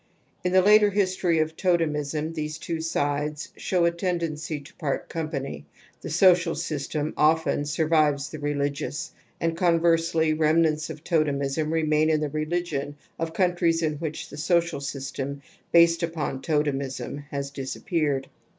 In the later history of totemism these two sides show a tendency to part com pany ; the soc ial syst em jgft^i^ «nrvivps^ ^.hp relijg32ii5^nd conversely remnants of totemigm remain in the religion of countries in which the social system based upon totemism had dis appeared.